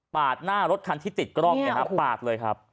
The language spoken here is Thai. ปากหน้ารถคันที่ติดกล้องเนี่ยครับปากเลยครับ